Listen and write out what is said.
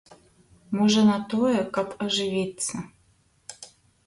Можа, на тое, каб ажывіцца.